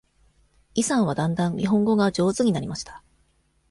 イさんはだんだん日本語が上手になりました。